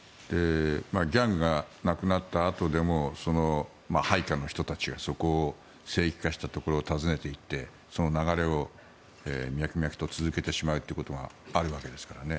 ギャングが亡くなったあとでも配下の人たちがそこを聖地化したところを訪ねていってその流れを脈々と続けてしまうことがあるわけですからね。